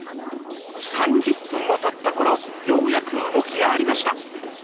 ３０分もたったころようやく動きがありました。